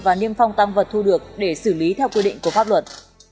và niêm phong tăng vật thu được để xử lý theo quy định của pháp luật